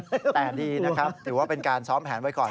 แต่ดีนะครับถือว่าเป็นการซ้อมแผนไว้ก่อน